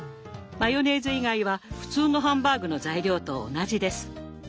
マヨネーズ以外は普通のハンバーグの材料と同じです。